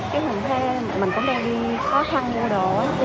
hình thế mình cũng đang đi khó khăn mua đồ